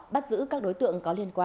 bắt giữ các đối tượng có liên quan